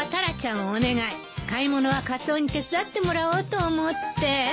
買い物はカツオに手伝ってもらおうと思って。